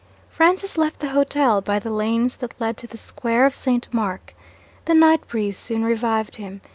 Francis left the hotel, by the lanes that led to the Square of St. Mark. The night breeze soon revived him.